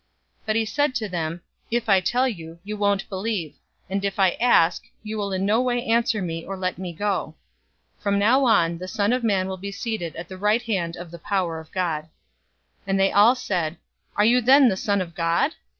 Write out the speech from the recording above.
But he said to them, "If I tell you, you won't believe, 022:068 and if I ask, you will in no way answer me or let me go. 022:069 From now on, the Son of Man will be seated at the right hand of the power of God." 022:070 They all said, "Are you then the Son of God?"